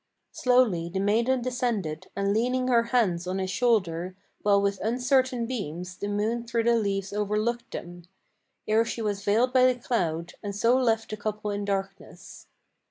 Slowly the maiden descended, and leaning her hands on his shoulder, While with uncertain beams, the moon through the leaves overlooked them, Ere she was veiled by the cloud, and so left the couple in darkness.